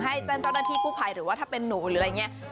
ให้แจ้งเจ้าหน้าที่กู้ภัยหรือว่าถ้าเป็นหนูหรืออะไรอย่างนี้